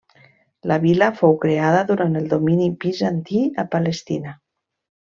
La vila fou creada durant el domini bizantí a Palestina.